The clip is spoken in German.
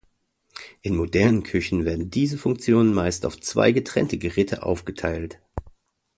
In modernen Küchen werden diese Funktionen meist auf zwei getrennte Geräte aufgeteilt.